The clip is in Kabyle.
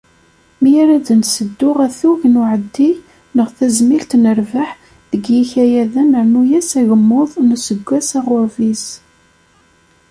Mi ara d-nseddu atug n uɛeddi neɣ tazmilt n rrbeḥ deg yikayaden rnu-as agemmuḍ n useggas aɣurbiz.